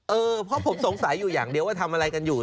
เออเพราะผมสงสัยอยู่อย่างเดียวว่าทำอะไรกันอยู่